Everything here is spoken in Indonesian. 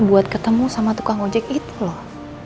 buat ketemu sama tukang ojek itu loh